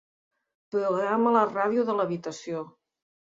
Programa la ràdio de l'habitació.